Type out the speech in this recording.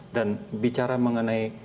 dan bicara mengenai